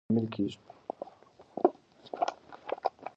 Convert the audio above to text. د تعلیم څخه استثنا د ټولنې د زوال لامل کیږي.